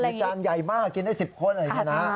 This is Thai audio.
มีจานใหญ่มากกินได้๑๐คน